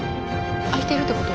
あいてるってこと？